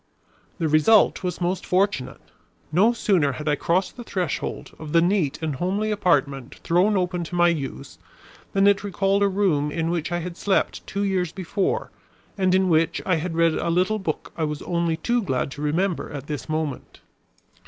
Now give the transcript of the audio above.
The result was most fortunate. No sooner had I crossed the threshold of the neat and homely apartment thrown open to my use, than it recalled a room in which I had slept two years before and in which I had read a little book I was only too glad to remember at this moment.